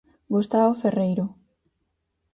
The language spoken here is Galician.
Gustavo Ferreiro.